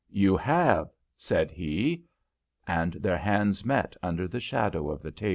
"You have," said he, and their hands met under the shadow of the table.